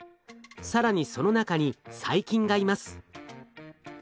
更にその中に細菌がいます。